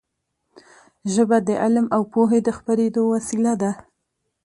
ژبه د علم او پوهې د خپرېدو وسیله ده.